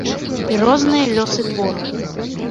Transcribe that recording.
І розныя лёсы твораў.